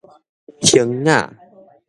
興雅